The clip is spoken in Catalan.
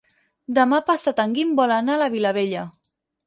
Demà passat en Guim vol anar a la Vilavella.